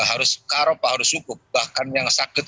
arapah harus hukum bahkan yang sakit